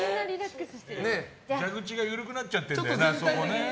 蛇口が緩くなっちゃってるんだね。